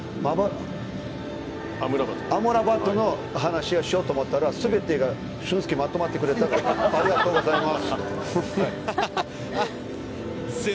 アムラバトの話をしようと思ったら全て、俊輔がまとめてくれてありがとうございます。